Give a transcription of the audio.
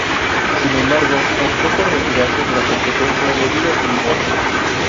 Sin embargo, optó por retirarse de la competencia debido a su divorcio.